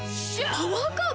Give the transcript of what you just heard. パワーカーブ⁉